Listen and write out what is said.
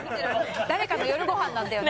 誰かの夜ご飯なんだよな